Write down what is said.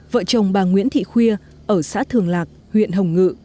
vợ chồng bà nguyễn thị khuya ở xã thường lạc huyện hồng ngự